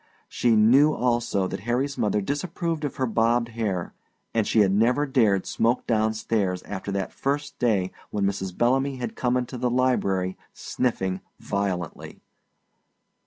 She knew also that Harry's mother disapproved of her bobbed hair; and she had never dared smoke down stairs after that first day when Mrs. Bellamy had come into the library sniffing violently.